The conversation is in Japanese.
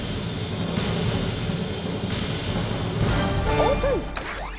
オープン！